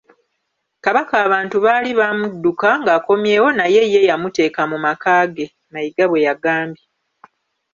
“Kabaka abantu baali bamudduka ng’akomyewo naye ye yamuteeka mu maka ke,” Mayiga bwe yagambye.